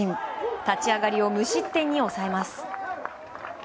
立ち上がりを無失点に抑えます。